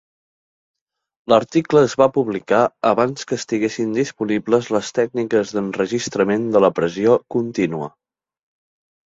L'article es va publicar abans que estiguessin disponibles les tècniques d'enregistrament de la pressió contínua.